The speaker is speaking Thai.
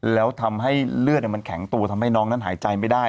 แล้วทำให้เลือดมันแข็งตัวทำให้น้องนั้นหายใจไม่ได้